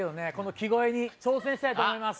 木越えに挑戦したいと思います。